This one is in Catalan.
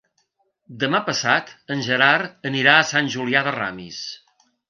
Demà passat en Gerard anirà a Sant Julià de Ramis.